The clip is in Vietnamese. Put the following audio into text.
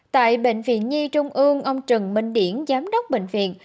tại bệnh viện nhi trung ương ông trần minh điển giám đốc bệnh viện